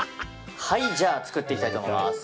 じゃあ、作っていきたいと思います。